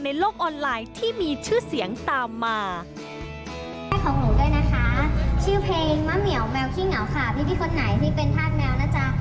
มะเหมียวแมวขี้เหงาค่ะพี่คนไหนที่เป็นธาตุแมวนะจ๊ะ